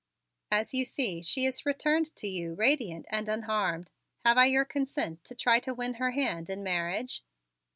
As you see, she is returned to you radiant and unharmed. Have I your consent to try to win her hand in marriage?"